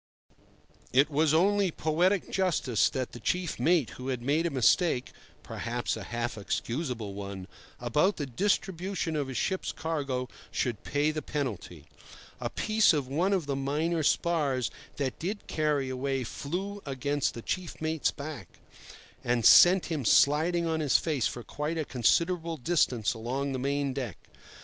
It was only poetic justice that the chief mate who had made a mistake—perhaps a half excusable one—about the distribution of his ship's cargo should pay the penalty. A piece of one of the minor spars that did carry away flew against the chief mate's back, and sent him sliding on his face for quite a considerable distance along the main deck.